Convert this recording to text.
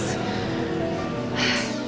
sampai jumpa lagi